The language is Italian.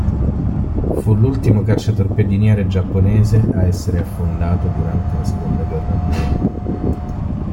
Fu l'ultimo cacciatorpediniere giapponese a essere affondato durante la seconda guerra mondiale.